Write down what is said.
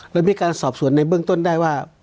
เรามีการสอบส่วนในเบื้องต้นได้ว่า